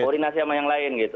koordinasi sama yang lain gitu